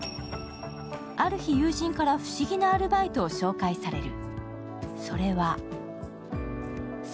ある日、友人から不思議なアルバイトを紹介される。